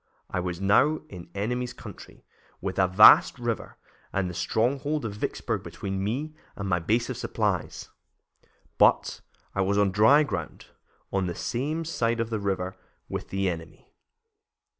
I was now in the enemy's country, with a vast river and the stronghold of Vicksburg between me and my base of supplies, but I was on dry ground, on the same side of the river with the enemy."